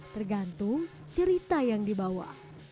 tergantung cerita yang dibawa